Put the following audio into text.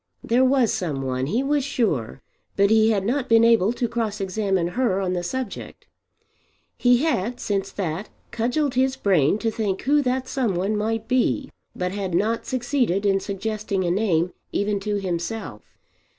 There was some one, he was sure, but he had not been able to cross examine her on the subject. He had, since that, cudgelled his brain to think who that some one might be, but had not succeeded in suggesting a name even to himself.